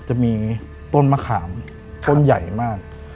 จะมีต้นมะขามต้นใหญ่มาก